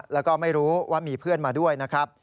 แล้วก็ไม่รู้ว่ามีเพื่อนมาด้วย